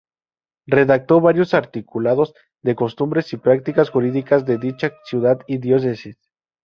Redactó varios articulados de costumbres y prácticas jurídicas de dicha ciudad y diócesis.